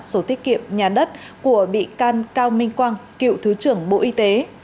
số thiết kiệm nhà đất của bị can cao minh quang cựu thứ trưởng bộ y tế